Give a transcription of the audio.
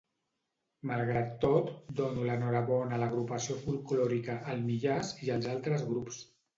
Malgrat tot, dono l'enhorabona a l'Agrupació Folklòrica El Millars i als altres grups.